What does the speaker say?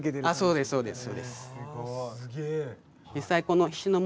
そうですそうです。